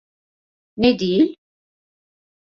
Ne değil?